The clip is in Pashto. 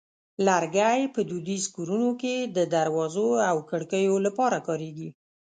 لرګی په دودیزو کورونو کې د دروازو او کړکیو لپاره کارېږي.